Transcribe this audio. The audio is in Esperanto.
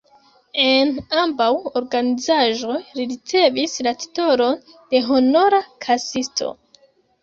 En ambaŭ organizaĵoj li ricevis la titolon de Honora Kasisto.